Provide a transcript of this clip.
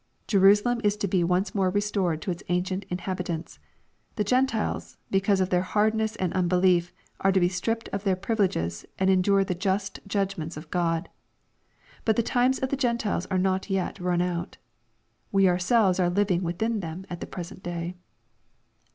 Jerusalem is to be once more restored to its ancient inhabitants. The Gentiles, because of their hardness and unbelief, are to be stript of their privileges and endure the just judgments of God. But the times of the Gentiles are not yet run out. We ourselves are living within them at the present day.